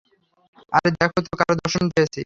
আরে, দেখো তো কার দর্শন পেয়েছি।